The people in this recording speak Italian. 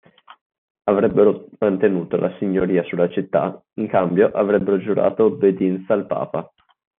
Avrebbero mantenuto la signoria sulla città, in cambio avrebbero giurato obbedienza al papa.